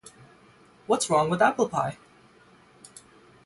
What's wrong with apple pie?